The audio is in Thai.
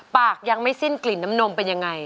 ปากยังไม่สิ้นกลิ่นน้ำนมเป็นยังไง